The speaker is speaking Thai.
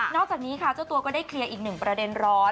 จากนี้ค่ะเจ้าตัวก็ได้เคลียร์อีกหนึ่งประเด็นร้อน